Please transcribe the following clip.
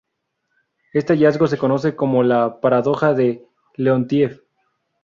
Este hallazgo se conoce como la paradoja de Leontief.